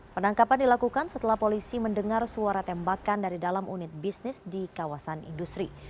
penangkapan dilakukan setelah polisi mendengar suara tembakan dari dalam unit bisnis di kawasan industri